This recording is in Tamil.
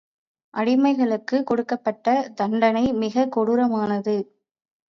அடிமைகளுக்குக் கொடுக்கப்பட்ட தண்டனை மிகக் கொடூரமானது.